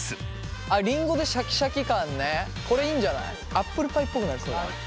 アップルパイっぽくなりそうだね。